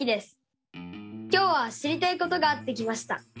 今日は知りたいことがあって来ました。